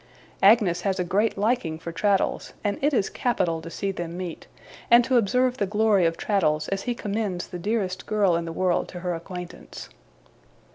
Agnes has a great liking for Traddles, and it is capital to see them meet, and to observe the glory of Traddles as he commends the dearest girl in the world to her acquaintance.